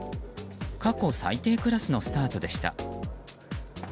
過去最低クラスのスタートでした。